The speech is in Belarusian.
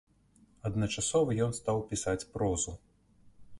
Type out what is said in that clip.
Адначасова ён стаў пісаць прозу.